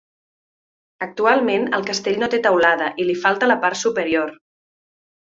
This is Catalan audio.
Actualment el castell no té teulada i li falta la part superior.